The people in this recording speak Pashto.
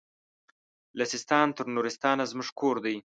له سیستان تر نورستانه زموږ کور دی